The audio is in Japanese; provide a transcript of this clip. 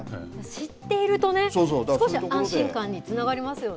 知っているとね、少し安心感につながりますよね。